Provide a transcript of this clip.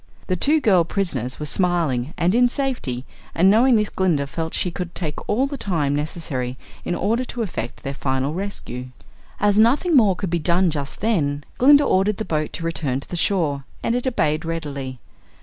The two girl prisoners were smiling and in safety, and knowing this Glinda felt she could take all the time necessary in order to effect their final rescue. As nothing more could be done just then, Glinda ordered the boat to return to shore and it obeyed readily.